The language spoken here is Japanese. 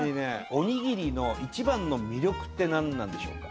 おにぎりの一番の魅力って何なんでしょうか？